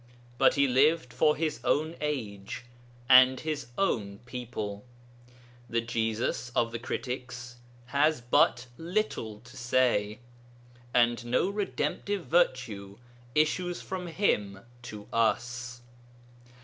But he lived for his own age and his own people; the Jesus of the critics has but little to say, and no redemptive virtue issues from him to us.